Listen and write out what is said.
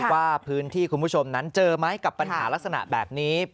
ว่าพื้นที่คุณผู้ชมนั้นเจอไหมกับปัญหาลักษณะแบบนี้